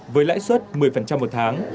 với lãi suất một mươi một tháng